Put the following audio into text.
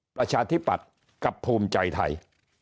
ประชาธิปัตย์กับภูมิใจไทย